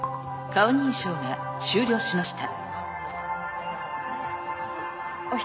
顔認証が終了しました。